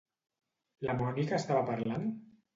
La Mònica estava parlant?